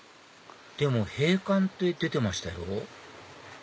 でも閉館って出てましたよ